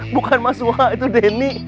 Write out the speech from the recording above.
bukan mas wa itu denny